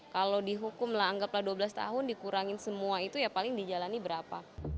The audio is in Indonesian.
kalau dihukum lah anggaplah dua belas tahun dikurangin semua itu ya paling dijalani berapa